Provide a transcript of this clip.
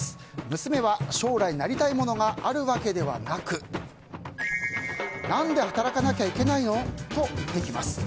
娘は将来なりたいものがあるわけではなく何で働かなきゃいけないのと言ってきます。